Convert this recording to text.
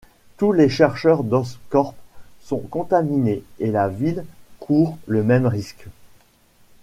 Tous les chercheurs d'Oscorp sont contaminés et la ville court le même risque.